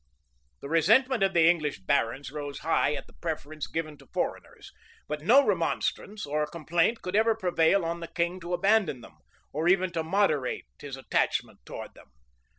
} The resentment of the English barons rose high at the preference given to foreigners; but no remonstrance or complaint could ever prevail on the king to abandon them, or even to moderate his attachment towards them.